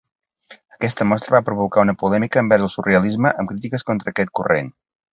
Aquesta mostra va provocar una polèmica envers el surrealisme amb crítiques contra aquest corrent.